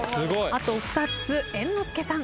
あと２つ猿之助さん。